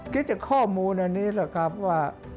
คิดจากข้อมูลอันนี้แหละครับว่า